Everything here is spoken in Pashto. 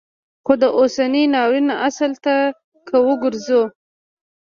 خو د اوسني ناورین اصل ته که وروګرځو